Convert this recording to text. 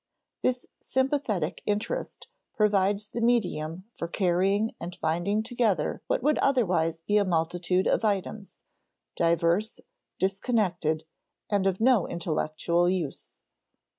This sympathetic interest provides the medium for carrying and binding together what would otherwise be a multitude of items, diverse, disconnected, and of no intellectual use.